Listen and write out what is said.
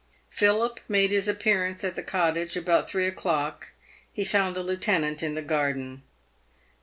Philip made his appearance at the cottage about three o'clock. He found the lieutenant in the garden.